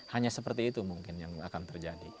hanya seperti itu mungkin yang akan terjadi